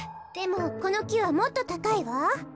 でもこのきはもっとたかいわ。